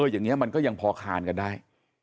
อย่างนี้มันก็ยังพอคานกันได้